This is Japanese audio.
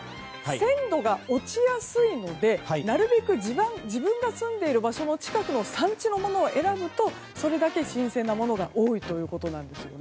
鮮度が落ちやすいのでなるべく自分が住んでいる場所の近くの産地のものを選ぶとそれだけ新鮮なものが多いということなんです。